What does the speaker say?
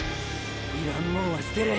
要らんもんは捨てる。